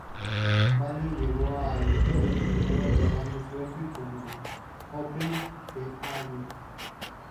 Bender llegó a Israel primero probando suerte con el Hapoel Tel Aviv.